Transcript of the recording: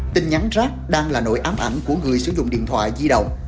tin nhắn rác đang là nội ám ảnh của người sử dụng điện thoại di động